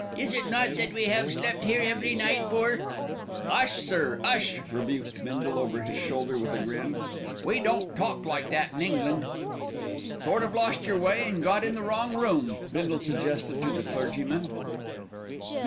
"Is it not that we have slept here every night for " "'Ush, sir, 'ush!" rebuked Bindle over his shoulder with a grin. "We don't talk like that in England." "Sort of lost yer way, sir, and got in the wrong room," Bindle suggested to the clergyman.